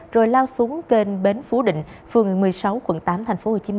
rồi lao xuống kênh bến phú định phường một mươi sáu quận tám tp hcm